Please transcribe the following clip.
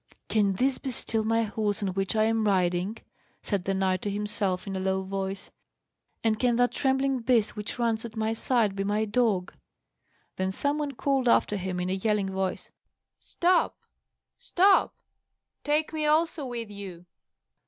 "Can this be still my horse on which I am riding?" said the knight to himself, in a low voice; "and can that trembling beast which runs at my side be my dog?" Then some one called after him, in a yelling voice, "Stop! stop! Take me also with you!"